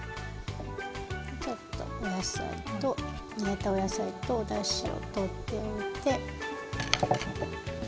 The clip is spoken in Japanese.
ちょっとお野菜と煮えたお野菜とおだしを取っておいて。